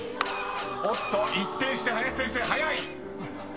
［おっと⁉一転して林先生早い！］